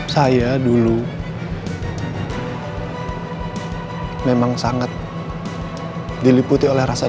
saya ingin andin merasakan penderitaan yang dialami oleh keluarga saya